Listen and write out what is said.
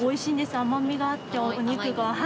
甘みがあってお肉がはい。